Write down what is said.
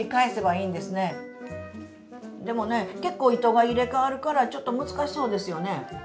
でもね結構糸が入れ代わるからちょっと難しそうですよね。